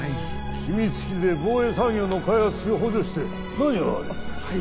機密費で防衛産業の開発費を補助して何が悪い